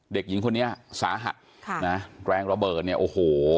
เด็กหญิงคนนี้สาหัสค่ะนะแรงระเบิดเนี่ยโอ้โห